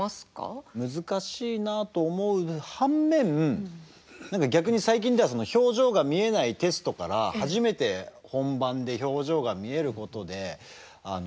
難しいなと思う反面逆に最近では表情が見えないテストから初めて本番で表情が見えることで違うリアクションがとれるみたいな。